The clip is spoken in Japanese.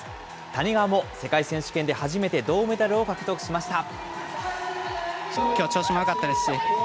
谷川も世界選手権で初めて銅メダルを獲得しました。